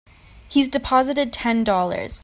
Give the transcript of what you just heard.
He's deposited Ten Dollars.